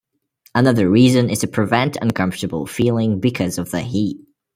Another reason is to prevent uncomfortable feeling because of the heat.